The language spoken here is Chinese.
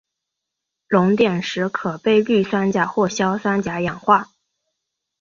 熔点时可被氯酸钾或硝酸钾氧化。